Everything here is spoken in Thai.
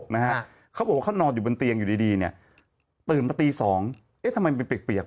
นะฮะเขาโหเขานอนอยู่บนเตียงอยู่ดีเนี่ยตื่นเตียงมาตี๒ที่ทำไมเปลี่ยก